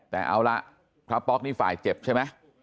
แต่เอาละพระป๊อกนี่ฝ่ายเจ็บใช่ไหม